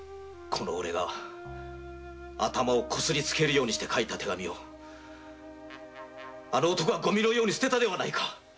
このオレが頭をこすりつけるようにして書いた手紙をあの男はゴミのように捨てたではないか！